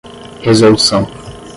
resolução